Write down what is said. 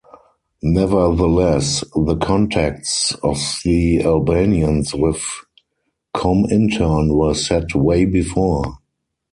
Nevertheless, the contacts of the Albanians with Comintern were set way before.